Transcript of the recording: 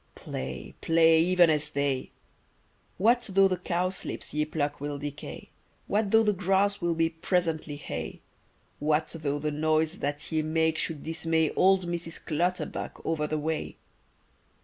Play, play, even as they! What though the cowslips ye pluck will decay, What though the grass will be presently hay? What though the noise that ye make should dismay Old Mrs. Clutterbuck over the way?